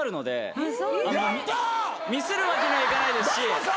ミスるわけにはいかないですし。